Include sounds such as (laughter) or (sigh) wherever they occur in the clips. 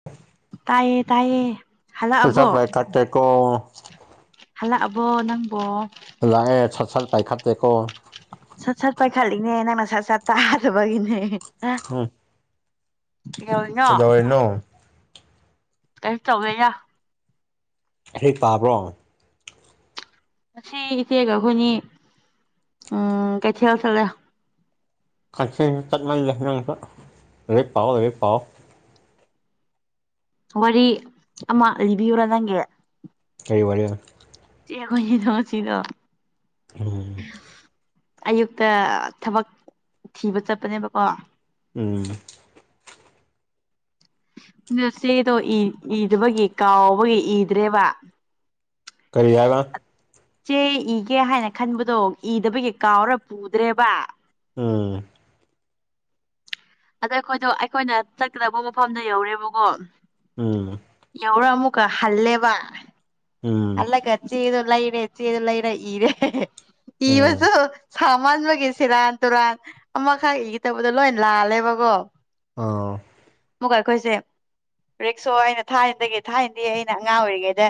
(inaudible) ꯇꯥꯏꯌꯦ ꯇꯥꯏꯌꯦ ꯍꯜꯂꯛꯑꯕꯣ (unintelligible) ꯍꯜꯂꯛꯑꯕꯣ ꯅꯪꯕꯣ ꯂꯥꯛꯑꯦ ꯁꯠ ꯁꯠ ꯄꯥꯏꯈꯠ ꯇꯦꯀꯣ ꯁꯠ ꯁꯠ ꯄꯥꯏꯈꯠꯂꯤꯅꯦ ꯅꯪꯅ ꯁꯠ ꯁꯠ ꯇꯥꯗꯕꯒꯤꯅꯦ ꯍ ꯀꯩꯗꯧꯔꯤꯅꯣ ꯀꯩꯁꯨ ꯇꯧꯗꯦꯗ ꯍꯦꯛ ꯇꯥꯕ꯭ꯔꯣ ꯉꯁꯤ ꯏꯆꯦꯒ ꯑꯩꯈꯣꯏꯅꯤ ꯎꯝ ꯀꯩꯊꯦꯜ ꯁꯠꯂꯦ ꯀꯩꯊꯦꯟꯁꯨ ꯆꯠꯃꯜꯂꯦ ꯅꯪꯁꯨ ꯂꯥꯏꯔꯤꯛꯞ ꯄꯥꯎꯑꯣ ꯂꯥꯏꯔꯤꯛ ꯄꯥꯎꯑꯣ ꯋꯥꯔꯤ ꯑꯃ ꯂꯤꯕꯤꯌꯨꯔ ꯅꯪꯒꯤ ꯀꯩ ꯋꯥꯔꯤꯅꯣ ꯆꯦ ꯑꯩꯈꯣꯏꯅꯤꯅ ꯋꯥꯊꯤ ꯇꯧꯕ ꯎꯝ ꯑꯌꯨꯛꯇ ꯊꯕꯛ ꯊꯤꯕ ꯆꯠꯄꯅꯦꯕꯀꯣ ꯎꯝ ꯅꯆꯦꯗꯣ ꯏ ꯏꯗꯕꯒꯤ ꯀꯥꯎꯕꯒꯤ ꯏꯗ꯭ꯔꯦꯕ ꯀꯔꯤ ꯍꯥꯏꯕ ꯆꯦ ꯏꯒꯦ ꯍꯥꯏꯅ ꯈꯟꯕꯗꯣ ꯏꯗꯕꯒꯤ ꯀꯥꯎꯔ ꯄꯨꯗ꯭ꯔꯦꯕ ꯑꯥ ꯑꯗ ꯑꯩꯈꯣꯏꯗꯣ ꯑꯩꯈꯣꯏꯅ ꯆꯠꯀꯗꯕ ꯃꯐꯝꯗ ꯌꯧꯔꯦꯕꯀꯣ ꯎꯝ ꯌꯧꯔ ꯑꯃꯃꯨꯀ ꯍꯜꯂꯦꯕ ꯎꯝ ꯍꯜꯂꯒ ꯆꯦꯗꯨ ꯂꯩꯔꯦ ꯆꯦꯗꯨ ꯂꯩꯔ ꯏꯔꯦ ꯑꯥ ꯏꯕꯁꯨ ꯁꯥꯃꯟꯕꯒꯤ ꯁꯦꯔꯥꯟ ꯇꯨꯔꯥꯟ ꯑꯃꯈꯛ ꯏꯒꯦ ꯇꯧꯕꯗꯣ ꯂꯣꯏ ꯂꯥꯜꯂꯦꯕꯀꯣ ꯑꯧ ꯑꯃꯨꯛꯀ ꯑꯩꯈꯣꯏꯁꯦ ꯔꯤꯛꯁꯣ ꯑꯩꯅ ꯊꯥꯏꯅꯩꯗꯤ ꯊꯥꯏꯅꯩꯗꯤ ꯑꯩꯅ ꯑꯉꯥꯡ ꯑꯣꯏꯔꯤꯉꯩꯗ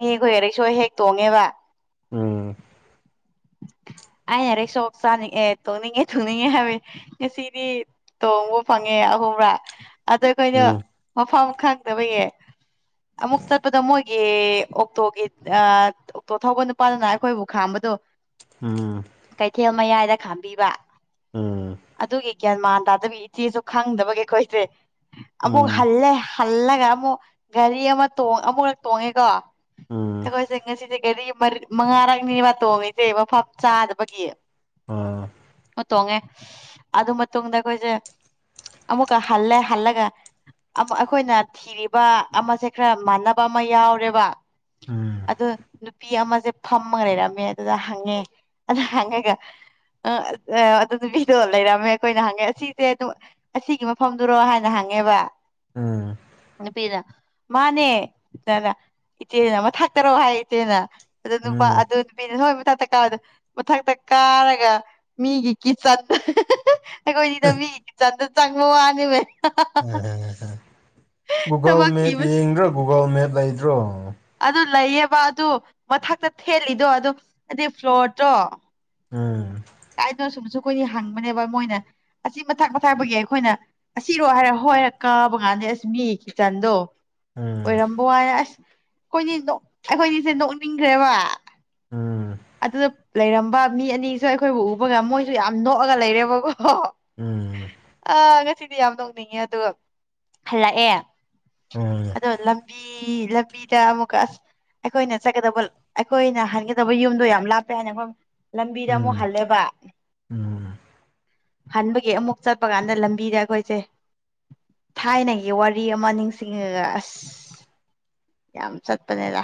ꯏꯅꯦꯈꯣꯏꯒ ꯔꯤꯛꯁꯣ ꯍꯦꯛ ꯇꯣꯡꯉꯦꯕ ꯎꯝ ꯑꯩꯅ ꯔꯤꯛꯁꯣ ꯆꯠꯅꯤꯡꯑꯦ ꯇꯣꯡꯅꯤꯡꯉꯦ ꯇꯨꯅꯤꯡꯉꯦ ꯍꯥꯏꯕꯩ ꯉꯁꯤꯗꯤ ꯇꯣꯡꯕ ꯐꯪꯉꯦ ꯑꯍꯨꯝꯔꯛ ꯑꯗꯨ ꯑꯩꯈꯣꯏꯅ ꯎꯝ ꯃꯐꯝ ꯈꯪꯗꯕꯒꯤ ꯑꯃꯨꯛ ꯆꯠꯄꯗ ꯃꯣꯏꯒꯤ ꯑꯣꯛꯇꯣꯒꯤ ꯑ ꯑꯣꯛꯇꯣ ꯊꯧꯕ ꯅꯨꯄꯥꯗꯨꯅ ꯑꯩꯈꯣꯏꯕꯨ ꯈꯥꯝꯕꯗꯣ ꯎꯝ ꯀꯩꯊꯦꯜ ꯃꯌꯥꯏꯗ ꯈꯥꯝꯕꯤꯕ ꯎꯝ ꯑꯗꯨꯒꯤ ꯒ꯭ꯌꯥꯟ ꯃꯥꯟ ꯇꯥꯗꯕꯤ ꯏꯆꯦꯁꯨ ꯈꯪꯗꯕꯒꯤ ꯑꯩꯈꯣꯏꯁꯦ ꯑꯃꯨꯛ ꯎꯝ ꯍꯜꯂꯦ ꯍꯜꯂꯒ ꯑꯃꯨꯛ ꯒꯥꯔꯤ ꯑꯃ ꯇꯣꯡ ꯑꯃꯨꯛꯔꯛ ꯇꯣꯡꯉꯦꯀꯣ ꯎꯝ ꯑꯩꯈꯣꯏꯁꯦ ꯉꯁꯤꯁꯦ ꯒꯥꯔꯤ ꯃꯔꯤ ꯃꯉꯥꯔꯛ ꯅꯦꯕꯥ ꯇꯣꯡꯉꯤ ꯁꯦ ꯃꯐꯝ ꯆꯥꯗꯕꯒꯤ ꯑꯥ ꯑꯣ ꯇꯣꯡꯉꯦ ꯑꯗꯨ ꯃꯇꯨꯡꯗ ꯑꯩꯈꯣꯏꯁꯦ ꯑꯃꯃꯨꯀ ꯍꯜꯂꯦ ꯍꯜꯂꯒ ꯑꯝ ꯑꯩꯈꯣꯏꯅ ꯊꯤꯔꯤꯕ ꯑꯃꯁꯦ ꯈꯔ ꯃꯥꯟꯅꯕ ꯑꯃ ꯌꯥꯎꯔꯦꯕ ꯎꯝ ꯑꯗꯨ ꯅꯨꯄꯤ ꯑꯃꯁꯦ ꯐꯝꯃꯒ ꯂꯩꯔꯝꯃꯦ ꯑꯗꯨꯗ ꯍꯪꯉꯦ ꯑꯗꯨ ꯍꯪꯉꯒ ꯑ ꯑꯗꯨ ꯅꯨꯄꯤꯗꯣ ꯂꯩꯔꯝꯃꯦ ꯑꯩꯈꯣꯏꯅ ꯍꯪꯉꯦ ꯑꯁꯤꯁꯦ ꯑꯗꯨꯝ ꯑꯁꯤꯒꯤ ꯃꯐꯝꯗꯨꯔꯣ ꯍꯥꯏꯅ ꯍꯪꯉꯦꯕ ꯑꯝ ꯅꯨꯄꯤꯗꯨꯅ ꯃꯥꯅꯦ ꯇ ꯏꯆꯦꯅ ꯃꯊꯛ ꯇꯔꯣ ꯍꯥꯏ ꯏꯆꯦꯅ ꯑꯗꯨ ꯅꯨꯄꯥ ꯎꯝ ꯑꯗꯨ ꯕꯤꯏꯒꯤ ꯃꯊꯛꯇ ꯀꯥꯕꯗ ꯃꯊꯛꯇ ꯀꯥꯔꯒ ꯃꯤꯒꯤ ꯀꯤꯠꯆꯟ ꯑꯩꯈꯣꯏ ꯅꯤꯗꯣ ꯃꯤꯒꯤ ꯀꯤꯠꯆꯟꯗ ꯆꯪꯕ ꯋꯥꯅꯦꯃꯤ ꯎ ꯒꯨꯒꯜ ꯊꯕꯛ ꯃꯦꯞ ꯊꯤꯕꯁꯦ ꯌꯦꯡꯗ꯭ꯔꯣ ꯒꯨꯒꯜ ꯃꯦꯞ ꯂꯩꯇ꯭ꯔꯣ ꯑꯗꯨ ꯂꯩꯌꯦꯕ ꯑꯗꯨ ꯃꯊꯛꯇ ꯊꯦꯠꯂꯤꯗꯣ ꯑꯗꯨ ꯍꯥꯏꯗꯤ ꯐ꯭ꯂꯣꯔꯗꯣ ꯎꯝ ꯀꯥꯏꯅꯣ ꯁꯨꯝꯁꯨ ꯑꯩꯈꯣꯏꯅꯤ ꯍꯪꯕꯅꯦꯕ ꯃꯣꯏꯅ ꯑꯁꯤ ꯃꯊꯥꯛ ꯃꯊꯥꯄꯒꯤ ꯑꯩꯈꯣꯏꯅ ꯑꯁꯤꯔꯣ ꯍꯥꯏꯔ ꯍꯣꯏ ꯀꯥꯕ ꯀꯥꯟꯗ ꯑꯁ ꯃꯤ ꯀꯤꯠꯆꯟꯗꯣ ꯎꯝ ꯋꯥꯏ ꯑꯁ ꯑꯩꯈꯣꯏꯅꯤ ꯑꯩꯈꯣꯏꯅꯤꯁꯦ ꯅꯣꯛꯅꯤꯡꯈ꯭ꯔꯦꯕ ꯎꯝ ꯑꯗꯨꯗ ꯂꯩꯔꯝꯕ ꯃꯤ ꯑꯅꯤꯁꯨ ꯑꯩꯈꯣꯏꯕꯨ ꯎꯕꯒ ꯃꯣꯏꯁꯨ ꯌꯥꯝ ꯅꯣꯛꯑꯒ ꯂꯩꯔꯦꯕꯀꯣ ꯎꯝ ꯑ ꯉꯁꯤꯗꯤ ꯌꯥꯝ ꯅꯣꯛꯅꯤꯡꯉꯦ ꯑꯗꯨꯒ ꯍꯜꯂꯛꯑꯦ ꯎꯝ ꯑꯗꯣ ꯂꯝ ꯂꯝ ꯂꯝꯕꯤꯗ ꯑꯃꯨꯛꯀ ꯑꯁ ꯑꯩꯈꯣꯏꯅ ꯆꯠꯀꯗꯕ ꯑꯩꯈꯣꯏꯅ ꯍꯟꯒꯗꯕ ꯑꯩꯏ ꯌꯨꯝꯗꯣ ꯌꯥꯝ ꯂꯥꯞꯄꯦ ꯍꯥꯏꯅ ꯑꯩꯈꯣꯏ ꯂꯝꯕꯤꯗ ꯑꯃꯨꯛ ꯎꯝ ꯍꯜꯂꯦꯕ ꯎꯝ ꯍꯟꯕꯒꯤ ꯑꯃꯨꯛ ꯆꯠꯄ ꯀꯥꯟꯗ ꯂꯝꯕꯤꯗ ꯑꯩꯈꯣꯏꯁꯦ ꯊꯥꯏꯅꯒꯤ ꯋꯥꯔꯤ ꯑꯃ ꯅꯤꯡꯁꯤꯡꯉꯒ ꯑꯁ ꯌꯥꯝ ꯆꯠꯄꯅꯦꯗ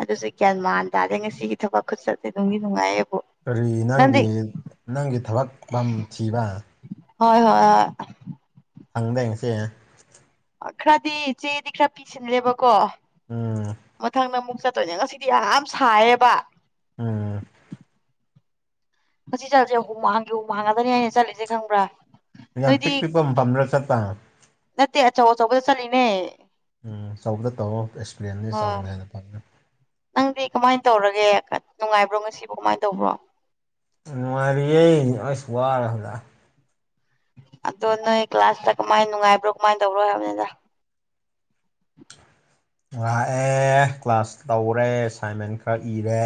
ꯑꯗꯨꯁꯨ ꯒ꯭ꯌꯥꯟ ꯃꯥꯟ ꯉꯁꯤꯒꯤ ꯊꯕꯛ ꯈꯨꯠꯆꯠꯁꯦ ꯑꯗꯨꯝꯗꯤ ꯅꯨꯡꯉꯥꯏꯌꯦꯕꯨ ꯀꯔꯤ ꯅꯪꯗꯤ ꯅꯪꯒꯤ ꯅꯪꯒꯤ ꯊꯕꯛ ꯐꯝꯊꯤꯕ ꯍꯣꯏ ꯍꯣꯏ ꯍꯣꯏ ꯍꯪꯗꯦ ꯉꯁꯤ ꯑ ꯈꯔꯗꯤ ꯆꯦꯗꯤ ꯈꯔ ꯄꯤꯁꯤꯜꯂꯦꯕꯀꯣ ꯎꯝ ꯃꯊꯪꯗ ꯑꯃꯨꯛ ꯆꯠ ꯇꯣꯏꯅꯦ ꯉꯁꯤꯗꯤ ꯌꯥꯝ ꯁꯥꯏꯌꯦꯕ ꯎꯝ ꯉꯁꯤ ꯆꯠꯂꯤꯖꯦ ꯍꯨꯨꯃꯥꯡꯒꯤ ꯍꯨꯃꯥꯡ ꯉꯥꯛꯇꯅꯤ ꯑꯩꯅ ꯆꯠꯂꯤꯖꯦ ꯈꯪꯕ꯭ꯔꯥ ꯌꯥꯝ ꯅꯣꯏꯗꯤ ꯄꯤꯛ ꯄꯤꯛꯄ ꯃꯇꯝꯔ ꯆꯠꯄ ꯅꯠꯇꯦ ꯑꯆꯧ ꯑꯆꯧꯕꯗ ꯆꯠꯂꯤꯅꯦ ꯎꯝ ꯑꯆꯧꯕꯗ ꯇꯧꯔꯣ ꯑꯦꯛꯁꯄꯤꯔꯦꯟꯗꯤ ꯍꯣꯏ ꯑꯆꯧꯕꯅ ꯍꯦꯟꯅ ꯐꯝ ꯅꯪꯗꯤ ꯀꯃꯥꯏꯟ ꯇꯧꯔꯒꯦ ꯅꯨꯡꯉꯥꯏꯕ꯭ꯔꯣ ꯉꯁꯤꯕꯣ ꯀꯃꯥꯏꯟ ꯇꯧꯕ꯭ꯔꯣ ꯅꯨꯡꯉꯥꯏꯔꯤꯌꯦ ꯑꯁ ꯋꯥꯔ ꯍꯜꯂꯛꯑꯦ ꯑꯗꯣ ꯅꯣꯏ ꯀ꯭ꯂꯥꯁꯇ ꯀꯃꯥꯏꯟ ꯅꯨꯡꯉꯥꯏꯕ꯭ꯔꯣ ꯀꯃꯥꯏꯟ ꯇꯧꯕ꯭ꯔꯣ ꯍꯥꯏꯕꯅꯤꯗ ꯂꯥꯛꯑꯦ ꯀ꯭ꯂꯥꯁ ꯇꯧꯔꯦ ꯑꯦꯁꯥꯏꯟꯃꯦꯟ ꯈꯔ ꯏꯔꯦ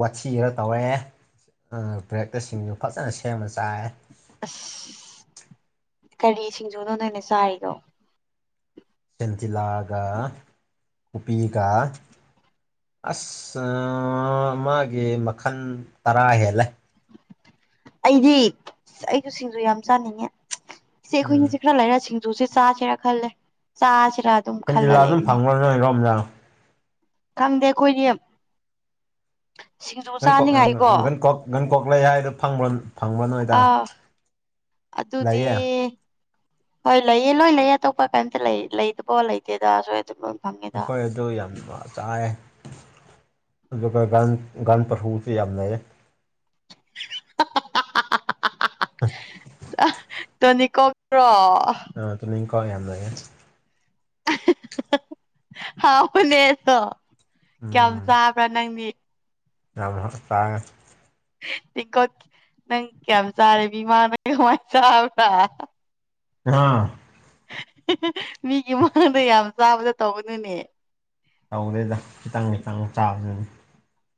ꯋꯥꯊꯤ ꯈꯔ ꯇꯧꯔꯦ ꯑ ꯕ꯭ꯔꯦꯛꯇ ꯁꯤꯡꯖꯨ ꯐꯖꯅ ꯁꯦꯝꯃ ꯆꯥꯔꯦ ꯑꯁ ꯀꯔꯤ ꯁꯤꯡꯖꯨꯅꯣ ꯅꯣꯏꯅ ꯆꯥꯔꯤꯗꯣ ꯁꯦꯟꯇꯤꯂꯥꯒ ꯀꯣꯄꯤꯒ ꯑꯁ ꯑꯥ ꯃꯥꯒꯤ ꯃꯈꯟ ꯇꯔꯥ ꯍꯦꯜꯂꯦ ꯑꯩꯗꯤ ꯑꯩꯖꯨ ꯁꯤꯡꯖꯨ ꯌꯥꯝ ꯆꯥꯅꯤꯡꯉꯦ ꯏꯆꯦ ꯎꯝ ꯑꯩꯈꯣꯏꯅꯤꯁꯦ ꯈꯔ ꯂꯩꯔ ꯁꯤꯡ ꯖꯨꯁꯦ ꯆꯥꯁꯤꯔ ꯈꯜꯂꯦ ꯆꯥꯁꯤꯔ ꯁꯦꯟꯇꯤꯂꯥ ꯑꯗꯨꯝ ꯐꯪꯕ꯭ꯔ ꯅꯣꯏꯔꯣꯝꯗ ꯈꯪꯗꯦ ꯑꯩꯈꯣꯏꯗꯤꯌꯝ (inaudible) ꯒꯟꯀꯣꯛ ꯑ ꯆꯥꯅꯤꯡꯉꯥꯏꯀꯣ ꯒꯟꯀꯣꯛ ꯒꯟꯀꯣꯛ ꯂꯩ ꯍꯥꯏꯗꯣ ꯐꯪꯕ꯭ꯔ ꯐꯪꯕ꯭ꯔ ꯅꯣꯏꯗ ꯑꯥ ꯑꯗꯨꯗꯤ ꯂꯩꯌꯦ ꯍꯣꯏ ꯂꯩꯌꯦ ꯂꯣꯏ ꯂꯩꯌꯦ ꯑꯇꯣꯞꯄ ꯀꯩꯝꯇ ꯂꯩ ꯂꯩꯇꯕꯣ ꯂꯩꯇꯦꯗ ꯑꯁ꯭ꯋꯥꯏꯗ ꯕꯝ ꯑꯩꯈꯣꯏꯠ ꯑꯗꯨ ꯌꯥꯝꯅ ꯆꯥꯏꯌꯦ ꯑꯗꯨꯒ ꯒꯟ ꯒꯟꯁ ꯄꯥꯁꯨꯁꯨ ꯌꯥꯝ ꯂꯩꯌꯦ ꯇꯣꯅꯤꯀꯣꯛꯔꯣ ꯑ ꯇꯨꯝꯅꯤꯡꯈꯣꯛ ꯌꯥꯝ ꯂꯩꯌꯦ ꯍꯥꯎꯕꯅꯦ ꯑꯗꯣ ꯀꯌꯥꯝ ꯆꯥꯕ꯭ꯔꯥ ꯅꯪꯗꯤ ꯌꯥꯝꯅ ꯇꯥꯡꯉꯦ ꯇꯦꯡꯀꯣꯠ ꯅꯪ ꯀꯌꯥꯝ ꯆꯥꯔꯦ ꯃꯤꯃꯥꯅ ꯀꯃꯥꯏꯟ ꯆꯥꯕ꯭ꯔꯥ ꯉꯥ ꯃꯤꯒꯤ ꯃꯃꯥꯡꯗ ꯌꯥꯝ ꯆꯥꯕꯗꯣ ꯇꯧꯒꯅꯨꯅꯦ ꯇꯧꯗꯦꯗ ꯈꯤꯇꯪ ꯈꯤꯇꯪ ꯆꯥꯕꯗꯨꯅꯤ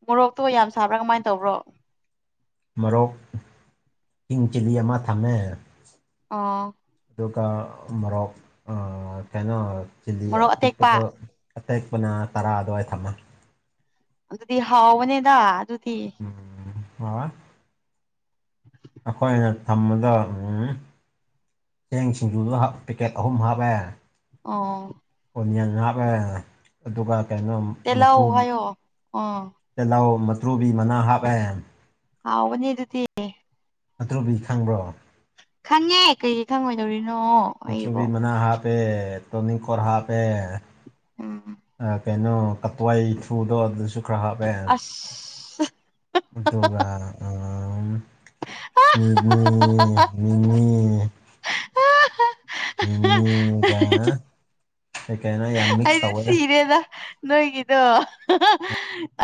ꯃꯣꯔꯣꯛꯇꯣ ꯌꯥꯝ ꯁꯥꯕ꯭ꯔꯥ ꯀꯃꯥꯏꯟ ꯇꯧꯕ꯭ꯔꯣ ꯃꯔꯣꯛ ꯀꯤꯡ ꯆꯤꯜꯂꯤ ꯑꯃ ꯊꯝꯃꯦ ꯑꯣ ꯑꯗꯨꯒ ꯃꯔꯣꯛ ꯑ ꯀꯩꯅꯣ ꯆꯤꯜꯂꯤ ꯃꯣꯔꯣꯛ ꯑꯇꯦꯛꯄ ꯑꯄꯤꯛꯄꯗꯣ ꯑꯇꯦꯛꯄꯅ ꯇꯔꯥ ꯑꯗꯨꯋꯥꯏ ꯊꯝꯃꯒꯦ ꯑꯗꯨꯗꯤ ꯍꯥꯎꯕꯅꯦꯗ ꯑꯗꯨꯗꯤ ꯎꯝ ꯋꯥ ꯋꯥ ꯑꯩꯈꯣꯏꯅ ꯊꯝꯕꯗ ꯎꯜ ꯆꯦꯡ ꯁꯤꯡꯖꯨꯗꯣ ꯍꯥꯞ ꯄꯦꯀꯦꯠ ꯑꯍꯨꯝ ꯍꯥꯞꯄꯦ ꯑꯣ ꯑꯣꯅꯤꯌꯟ ꯍꯥꯞꯂꯒꯅꯅꯦ ꯑꯗꯨꯒ ꯀꯩꯅꯣꯝ ꯇꯤꯜꯂꯧ ꯍꯥꯏꯌꯣ ꯑꯣ ꯇꯤꯜꯂꯧ ꯃꯇ꯭ꯔꯨꯕꯤ ꯃꯅꯥ ꯍꯥꯞꯄꯦ ꯍꯥꯎꯕꯅꯦ ꯑꯗꯨꯗꯤ ꯃꯇ꯭ꯔꯨꯕꯤ ꯈꯪꯕ꯭ꯔꯣ ꯈꯪꯉꯦ ꯀꯩꯒꯤ ꯈꯪꯉꯣꯏꯗꯧꯔꯤꯅꯣ ꯑꯩꯕꯣ ꯃꯨꯇ꯭ꯔꯨꯕꯤ ꯃꯅꯥ ꯍꯥꯞꯄꯦ ꯇꯣꯅꯤꯡꯈꯣꯛ ꯍꯥꯞꯄꯦ ꯎꯝ ꯑ ꯀꯩꯅꯣ ꯀꯇ꯭ꯋꯥꯏ ꯊ꯭ꯔꯨꯗꯣ ꯑꯗꯨꯁꯨ ꯈꯔ ꯍꯥꯞꯄꯦ ꯑꯁ ꯑꯗꯨꯒ ꯑꯥ ꯃꯤꯃꯤ ꯃꯤꯃꯤ ꯃꯤꯃꯤꯒ ꯀꯩ ꯀꯩꯅꯣ ꯌꯥꯝ ꯃꯤꯛꯁ ꯑꯩꯩꯗꯤ ꯇꯧꯋꯦꯗ ꯁꯤꯔꯦꯗ ꯅꯣꯏꯒꯤꯗꯣ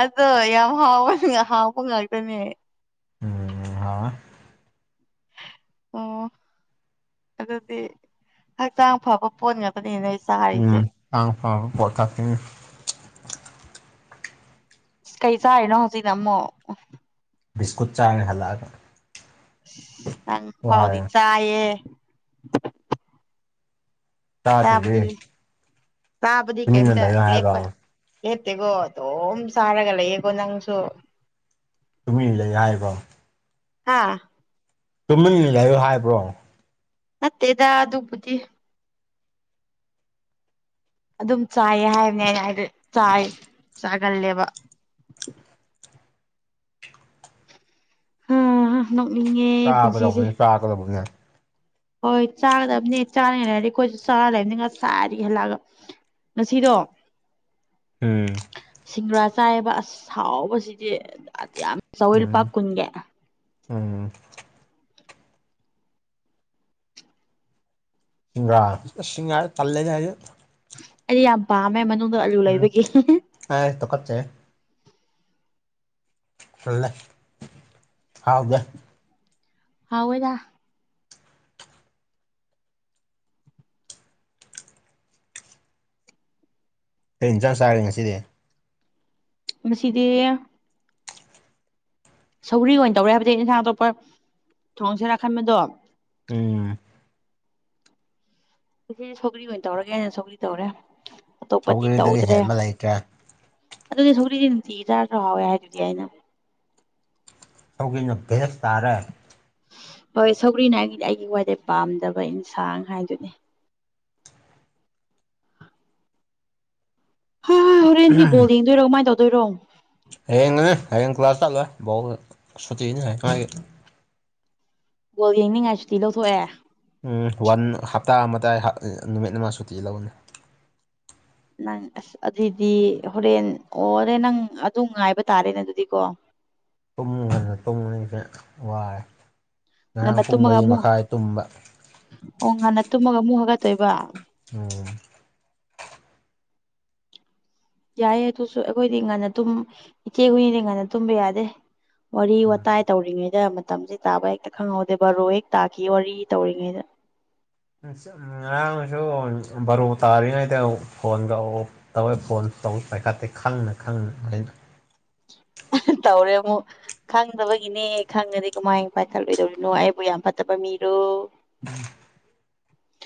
ꯑꯗꯣ ꯌꯥꯝ ꯍꯥꯎꯕ ꯉꯥ ꯍꯥꯎꯕ ꯉꯥꯛꯇꯅꯦ ꯎꯝ ꯍꯥꯎꯑꯦ ꯑꯣ ꯑꯗꯨꯗꯤ ꯍꯛꯆꯥꯡ ꯐꯕ ꯄꯣꯠ ꯉꯥꯛꯇꯅꯤꯅꯦ ꯎꯝ ꯍꯥꯎ ꯍꯥꯎꯔ ꯄꯣꯠ ꯀꯥꯛꯇꯅꯤ ꯀꯩ ꯆꯥꯔꯤꯅꯣ ꯍꯧꯖꯤꯛꯅ ꯑꯃꯨꯛ ꯕꯤꯁꯀꯨꯠ ꯆꯥꯡꯔꯦ ꯍꯜꯂꯛꯑꯒ ꯅꯪ ꯐꯥꯎꯗꯤ ꯋꯥꯔꯦ ꯆꯥꯏꯌꯦ ꯇꯥꯗ꯭ꯔꯤꯌꯦ ꯇꯥꯕꯗꯤ ꯀꯦꯝꯇ ꯍꯥꯏꯕ꯭ꯔꯣ ꯂꯦꯞꯄ ꯂꯦꯞꯇꯦꯀꯣ ꯑꯗꯨꯝ ꯆꯥꯔꯒ ꯂꯩꯌꯦꯀꯣ ꯅꯪꯁꯨ ꯇꯨꯃꯤꯟ ꯂ ꯂꯥꯏꯕ꯭ꯔꯣ ꯍꯥꯥ ꯇꯨꯝꯃꯤꯟꯅ ꯂꯩꯌꯨ ꯍꯥꯏꯕ꯭ꯔꯣ ꯅꯠꯇꯦꯗ ꯑꯗꯨꯕꯨꯗꯤ ꯑꯗꯨꯝ ꯆꯥꯏꯌꯦ ꯍꯥꯏꯕꯅꯦ ꯑꯩꯅ ꯍꯥꯏꯗꯤ ꯆꯥꯏ ꯆꯥꯒꯜꯂꯦꯕ ꯍꯍ ꯅꯣꯛꯅꯤꯡꯉꯦ ꯄꯨꯟꯁꯤꯁꯦ ꯆꯥꯒꯗꯧꯅꯦ ꯆꯥꯒꯗꯧꯅꯦ ꯍꯣꯏ ꯆꯥꯒꯗꯕꯅꯤ ꯆꯥꯅꯤꯡꯉꯥꯏ ꯂꯩꯔꯗꯤ ꯑꯩꯈꯣꯏꯖꯨ ꯆꯥꯔ ꯂꯩꯕꯅꯤ ꯉꯁꯥꯏꯗꯒꯤ ꯍꯜꯂꯛꯑꯒ ꯉꯁꯤꯗꯣ ꯎꯝ ꯁꯤꯡꯒ꯭ꯔꯥ ꯆꯥꯏꯌꯦꯕ ꯑꯁ ꯍꯥꯎꯕꯁꯤꯗꯤ ꯌꯥꯝ ꯆꯥꯎꯑꯦ ꯂꯨꯄꯥ ꯎꯝ ꯀꯨꯟꯒꯤ ꯎꯝ ꯁꯤꯡꯒꯥ ꯑꯁ ꯁꯤꯡꯒꯥ ꯇꯜꯂꯦꯗ ꯑꯩꯗꯤ ꯑꯩ ꯌꯥꯝ ꯄꯥꯝꯃꯦ ꯃꯅꯨꯡꯗ ꯑꯂꯨ ꯂꯩꯕꯒꯤ ꯑꯥꯏ ꯇꯨꯀꯠꯆꯩ ꯐꯨꯜꯂꯦ ꯍꯥꯎꯗꯦ ꯍꯥꯎꯏꯗ ꯀꯩ ꯏꯟꯖꯥꯡ ꯆꯥꯔꯦ ꯉꯁꯤꯗꯤ ꯃꯁꯤꯗꯤ ꯁꯧꯒ꯭ꯔꯤ ꯑꯣꯏꯟ ꯇꯧꯔꯦ ꯍꯥꯏꯕꯗꯤ ꯏꯟꯁꯥꯡ ꯑꯇꯣꯞꯄ ꯊꯣꯡꯁꯤꯔꯥ ꯈꯟꯕꯗꯣ ꯎꯝ ꯉꯁꯤ ꯁꯧꯒ꯭ꯔꯤ ꯑꯣꯏꯟ ꯇꯧꯔꯒꯦꯅ ꯁꯧꯒ꯭ꯔꯤ ꯇꯧꯔꯦ ꯑꯇꯣꯞꯄꯗꯤ ꯁꯧꯒ꯭ꯔꯤꯗꯒꯤ ꯇꯧꯗ꯭ꯔꯦ ꯍꯦꯟꯕ ꯂꯩꯇ꯭ꯔꯦ ꯑꯗꯨꯗꯤ ꯁꯧꯒ꯭ꯔꯤꯖꯦ ꯅꯨꯡꯇꯤꯒꯤ ꯆꯥꯔꯁꯨ ꯍꯥꯎꯑꯦ ꯍꯥꯏꯗꯨꯗꯤ ꯑꯩꯅ ꯁꯧꯒ꯭ꯔꯤ ꯅꯨꯡꯇꯤꯌꯥꯏ ꯇꯥꯔꯦ ꯍꯣꯏ ꯁꯧꯒ꯭ꯔꯤꯅ ꯑꯩꯒꯤꯗꯤ ꯑꯩꯒꯤ ꯋꯥꯏꯗꯩ ꯄꯥꯝꯖꯕ ꯏꯟꯁꯥꯡ ꯍꯥꯏꯗꯨꯅꯤ ꯍ ꯍꯣꯔꯦꯟꯗꯤ ꯕꯣꯜ ꯌꯦꯡꯗꯣꯏꯔꯣ ꯀꯃꯥꯏꯟ ꯇꯧꯗꯣꯏꯔꯣ ꯍꯌꯦꯡꯅꯤ ꯍꯌꯦꯡ ꯀ꯭ꯂꯥꯁ ꯆꯠꯂꯣꯏ ꯕꯣꯜ ꯁꯨꯇꯤꯅꯤ ꯍꯋꯦꯛꯥꯏꯒꯤ ꯒꯣꯜ ꯌꯦꯡꯅꯤꯡꯉꯥꯏ ꯁꯨꯇꯤ ꯂꯧꯊꯣꯛꯑꯦ ꯎꯝ ꯋꯥꯟ ꯍꯞꯇꯥ ꯑꯃꯗ ꯑꯩꯍꯥꯛꯗꯤ ꯅꯨꯃꯤꯠ ꯑꯃ ꯁꯨꯇꯤ ꯂꯧꯔꯦ ꯅꯪ ꯑꯁ ꯑꯗꯨꯏꯗꯤ ꯍꯣꯔꯦꯟ ꯑꯣꯔꯦ ꯅꯪ ꯑꯗꯨ ꯉꯥꯏꯕ ꯇꯥꯔꯦꯅꯦ ꯑꯗꯨꯗꯤꯀꯣ ꯇꯨꯝꯔꯒꯅ ꯇꯨꯝꯃꯅꯤꯁꯦ ꯋꯥꯏ ꯉꯟꯅ ꯇꯨꯝꯃꯒ ꯑꯃꯨꯛ ꯇꯨꯝꯕ ꯑꯣ ꯉꯟꯅ ꯇꯨꯝꯃꯒ ꯑꯃꯨꯛ ꯍꯥꯒꯠꯇꯣꯏꯕ ꯑꯣ ꯌꯥꯏꯌꯦ ꯑꯗꯨꯁꯨ ꯑꯩꯈꯣꯏꯗꯤ ꯉꯟꯅꯨꯝ ꯏꯆꯦ ꯍꯨꯏꯅꯤꯗꯤ ꯉꯟꯅ ꯇꯨꯝꯕ ꯌꯥꯗꯦ ꯋꯥꯔꯤ ꯎꯝ ꯋꯥꯇꯥꯏ ꯇꯧꯔꯤꯉꯩꯗ ꯃꯇꯝꯁꯦ ꯇꯥꯕ ꯍꯦꯛꯇ ꯈꯪꯍꯧꯗꯦ ꯕꯥꯔꯣ ꯍꯦꯛ ꯇꯥꯈꯤ ꯋꯥꯔꯤ ꯇꯧꯔꯤꯉꯩꯗ (unintelligible) ꯉꯔꯥꯡꯁꯨ ꯕꯥꯔꯣ ꯇꯥꯔꯤꯉꯩꯗ ꯐꯣꯟꯗꯧ ꯇꯧꯋꯦ ꯐꯣꯟ ꯇꯧ ꯄꯥꯏꯈꯥꯠꯇꯦ ꯈꯪꯅ ꯈꯪꯅ (unintelligible) ꯇꯧꯔꯦ ꯑꯃꯨꯛ ꯈꯪꯗꯕꯒꯤꯅꯦ ꯈꯪꯉꯗꯤ ꯀꯃꯥꯏꯟ ꯄꯥꯏꯈꯠꯂꯣꯏꯗꯧꯔꯤꯅꯣ ꯑꯩꯕꯨ ꯌꯥꯝ ꯐꯠꯇꯕ ꯃꯤꯔꯣ (unintelligible)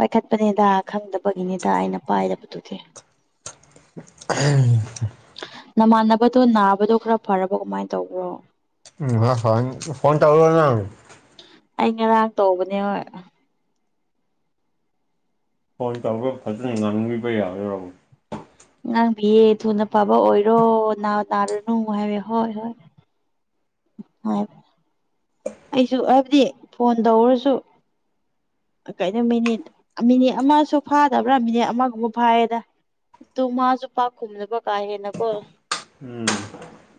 ꯄꯥꯏꯈꯠꯄꯅꯦꯗ ꯈꯪꯗꯕꯒꯤꯅꯤꯗ ꯑꯩꯅ ꯄꯥꯏꯗꯕꯗꯨꯗꯤ ꯍꯩ ꯅꯃꯥꯟꯅꯕꯗꯣ ꯅꯥꯕꯗꯣ ꯈꯔ ꯐꯔꯕꯣ ꯀꯃꯥꯏꯟ ꯇꯧꯕ꯭ꯔꯣ ꯎꯝ (unintelligible) ꯐꯣꯟ ꯇꯧꯔꯣꯅꯡ ꯑꯩ ꯉꯔꯥꯡ ꯇꯧꯕꯅꯦꯕꯥ ꯐꯣꯟ ꯇꯧꯔꯒ ꯐꯖꯅ ꯉꯥꯡꯕꯤꯕ ꯌꯥꯗꯔꯣ ꯑꯉꯥꯡꯕꯤꯌꯦ ꯊꯨꯅ ꯄꯥꯕ ꯑꯣꯏꯔꯣ ꯅꯥ ꯇꯥꯔꯅꯨ ꯍꯥꯏꯔ ꯍꯣꯏ ꯍꯣꯏ (unintelligible) ꯑꯩꯁꯨ ꯍꯥꯏꯕꯗꯤ ꯐꯣꯟ ꯇꯧꯔꯁꯨ ꯀꯩꯩꯅꯣ ꯃꯤꯅꯤꯠ ꯃꯤꯅꯤꯠ ꯑꯃꯁꯨ ꯐꯥꯗꯕ꯭ꯔꯥ ꯃꯤꯅꯤꯠ ꯑꯃꯒꯨꯝꯕ ꯐꯥꯏꯌꯦꯗ ꯇꯨ ꯃꯥꯁꯨ ꯄꯥꯛ ꯈꯨꯝꯗꯕ ꯀꯥ ꯍꯦꯟꯅꯀꯣ ꯎꯝ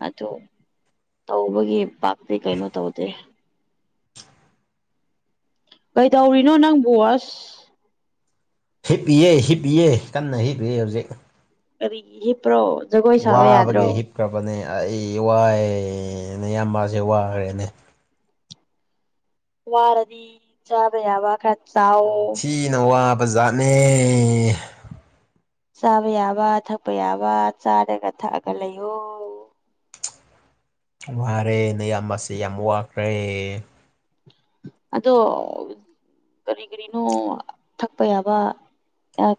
ꯑꯗꯣ ꯇꯧꯕꯒꯤ ꯄꯥꯛꯇꯤ ꯀꯩꯅꯣ ꯇꯧꯗꯦ ꯀꯩꯗꯧꯔꯤꯅꯣ ꯅꯪꯕꯣ ꯑꯁ ꯍꯤꯞꯄꯤꯌꯦ ꯍꯤꯞꯄꯤꯌꯦ ꯀꯟꯅ ꯍꯤꯞꯏꯌꯦ ꯍꯧꯖꯤꯛ ꯀꯔꯤꯒꯤ ꯍꯤꯞꯄ꯭ꯔꯣ ꯖꯒꯣꯏ ꯁꯥꯕ ꯌꯥꯗ꯭ꯔꯣ ꯈ꯭ꯔꯕꯅꯦ ꯑꯩ ꯋꯥꯏꯌꯦ ꯅꯌꯥꯝꯕꯥꯁꯦ ꯋꯥꯔꯦꯅꯦ ꯋꯥꯔꯗꯤ ꯆꯥꯕ ꯌꯥꯕ ꯈ꯭ꯔ ꯌꯥꯝ ꯊꯤꯅ ꯋꯥꯕ ꯖꯥꯠꯅꯦ ꯆꯥꯕ ꯌꯥꯕ ꯊꯛꯄ ꯌꯥꯕ ꯆꯥꯔꯒ ꯊꯛꯑꯒ ꯂꯩꯌꯣ ꯋꯥꯔꯦ ꯅꯌꯥꯝꯕꯁꯦ ꯌꯥꯝ ꯋꯥꯈ꯭ꯔꯦ ꯑꯗꯣ ꯀꯔꯤ ꯀꯔꯤꯅꯣ ꯊꯛꯄ ꯌꯥꯕ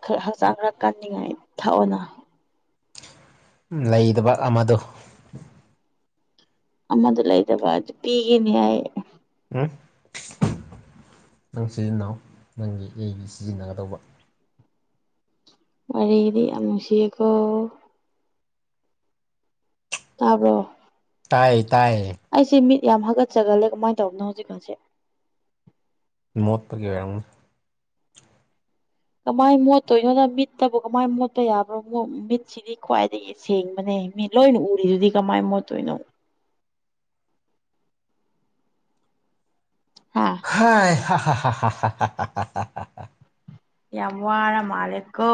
ꯈꯔ ꯍꯛꯆꯥꯡ ꯈꯔ ꯀꯟꯅꯤꯡꯉꯥꯏ ꯊꯛꯑꯣꯅ ꯂꯩꯗꯕ ꯑꯃꯗꯣ ꯑꯃꯗꯣ ꯂꯩꯇꯕ ꯑꯗꯨ ꯄꯤꯒꯦꯅꯦ ꯑꯩ ꯎꯝ ꯅꯪ ꯁꯤꯖꯤꯟꯅꯧ ꯅꯪꯒꯤ ꯑꯩꯒꯤ ꯁꯤꯖꯤꯟꯅꯒꯗꯧꯕ ꯋꯥꯔꯤꯗꯤ ꯌꯥꯝ ꯅꯨꯡꯁꯤꯌꯦꯀꯣ ꯇꯥꯕ꯭ꯔꯣ ꯇꯥꯏ ꯇꯥꯏ ꯑꯩꯁꯦ ꯃꯤꯠ ꯌꯥꯝ ꯍꯥꯒꯠꯆꯒꯜꯂꯦ ꯀꯃꯥꯏ ꯇꯧꯕꯅꯣ ꯍꯧꯖꯤꯛꯀꯥꯟꯁꯦ ꯃꯣꯠꯄꯒꯤ ꯑꯣꯏꯔꯝꯒꯅꯤ ꯀꯃꯥꯏ ꯃꯣꯠꯇꯣꯏꯅꯣꯗ ꯃꯤꯠꯇꯕꯨ ꯀꯃꯥꯏ ꯃꯣꯠꯄ ꯌꯥꯕ꯭ꯔꯣ ꯃ‌ꯣꯏ ꯃꯤꯠ ꯁꯤꯗꯤ ꯈ꯭ꯋꯥꯏꯗꯒꯤ ꯁꯦꯡꯕꯅꯦ ꯃꯤ ꯂꯣꯏꯅ ꯎꯔꯤꯗꯨꯗꯤ ꯀꯃꯥꯏ ꯃꯣꯠꯇꯣꯏꯅꯣ ꯍꯥ ꯍꯥꯏ ꯍꯥ ꯍꯥ ꯍꯥ ꯍꯥ ꯍꯥ ꯍꯥ ꯍꯥ ꯍꯥ ꯍꯥ ꯌꯥꯝ ꯋꯥꯔ ꯃꯥꯜꯂꯦꯀꯣ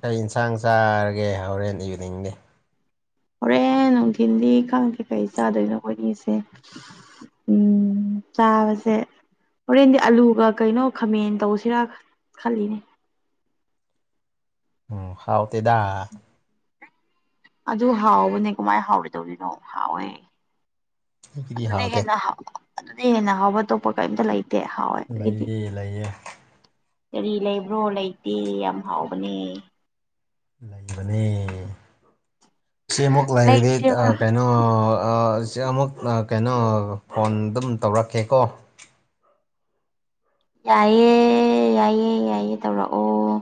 ꯀꯩ ꯏꯟꯁꯥꯡ ꯆꯥꯔꯒꯦ ꯍꯣꯔꯦꯟ ꯏꯚꯤꯅꯤꯡꯗꯤ ꯍꯣꯔꯦꯟ ꯅꯨꯡꯊꯤꯜꯗꯤ ꯈꯪꯗꯦ ꯀꯩ ꯆꯥꯗꯣꯏꯅꯣ ꯑꯩꯈꯣꯏꯅꯤꯁꯦ ꯎꯝ ꯆꯥꯕꯁꯦ ꯍꯣꯔꯦꯟꯗꯤ ꯑꯂꯨꯒ ꯀꯩꯅꯣ ꯈꯥꯃꯦꯟ ꯇꯧꯁꯤꯔꯥ ꯈꯜꯂꯤꯅꯦ ꯑꯣ ꯍꯥꯎꯇꯦꯗꯥ ꯑꯗꯨ ꯍꯥꯎꯕꯅꯦ ꯀꯃꯥꯏ ꯍꯥꯎꯔꯣꯏꯗꯧꯔꯤꯅꯣ ꯍꯥꯎꯋꯦ ꯑꯩꯒꯤꯗꯤ ꯑꯗꯨꯗꯩ ꯍꯥꯎꯇꯦ ꯍꯦꯟꯅ ꯍꯥꯎ ꯑꯗꯨꯗꯩ ꯍꯦꯟꯅ ꯍꯥꯎꯕ ꯑꯇꯣꯞꯄ ꯀꯩꯝꯇ ꯂꯩ ꯂꯩꯌꯦ ꯂꯩꯌꯦ ꯀꯔꯤ ꯂꯩꯕ꯭ꯔꯣ ꯂꯩꯇꯦ ꯌꯥꯝ ꯍꯥꯎꯕꯅꯦ ꯂꯩꯕꯅꯦ ꯁꯤ ꯑꯃꯨꯛ ꯂꯩꯔꯗꯤ ꯑ‌ ꯂꯩꯇꯦꯕ ꯀꯩꯅꯣ ꯑ‌ ꯑ‌ ꯁꯤ ꯑꯃꯨꯛꯅ ꯀꯩꯅꯣ ꯐꯣꯟ ꯑꯗꯨꯝ ꯇꯧꯔꯛꯀꯦꯀꯣ ꯌꯥꯏꯌꯦ ꯌꯥꯏꯌꯦ ꯌꯥꯏꯌꯦ ꯇꯧꯔꯛꯑꯣ